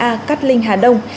hai a cát linh hà đông